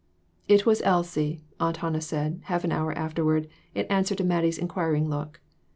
"It was Elsie," Aunt Hannah said, half an hour afterward, in answer to Mattie's inquiring look.